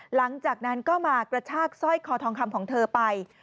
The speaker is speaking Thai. หลังจากนั้นก็มากระชากสร้อยคอทองคำของเธอไป